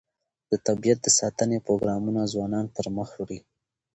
د طبیعت د ساتنې پروګرامونه ځوانان پرمخ وړي.